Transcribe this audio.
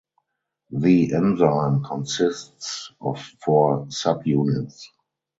The enzyme consists of four subunits.